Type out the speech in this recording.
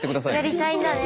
やりたいんだね。